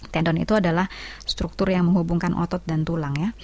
tendon itu adalah struktur yang menghubungkan otot dan tulang ya